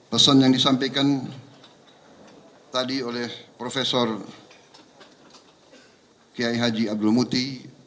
pesan yang disampaikan tadi oleh prof kiai haji abdul muti